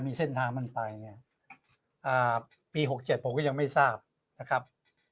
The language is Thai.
มีเส้นทางมันไปเนี่ยปี๖๗ผมก็ยังไม่ทราบนะครับ